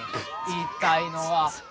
言いたいのは！